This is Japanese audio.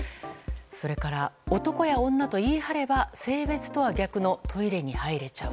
それから、男や女と言い張れば性別とは逆のトイレに入れちゃう。